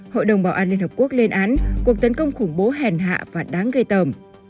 hội đồng bảo an liên hợp quốc lên án cuộc tấn công khủng bố hèn hạ và đáng gây tòm